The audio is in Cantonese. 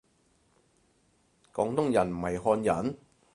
廣東人唔係漢人？